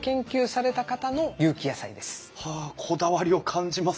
あこだわりを感じますね。